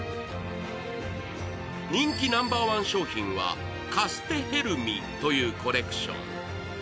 人気ナンバーワン商品はカステヘルミというコレクション。